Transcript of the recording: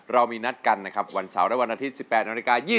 เรามีนัดกันนะครับวันเสาระวันอาทิตย์